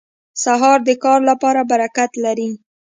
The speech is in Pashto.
سهار د کار لپاره برکت لري.